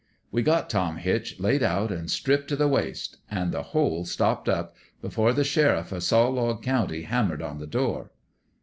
" We had Tom Hitch laid out an' stripped t' the waist an' the hole stopped up before the sheriff o' Saw log County hammered on the door.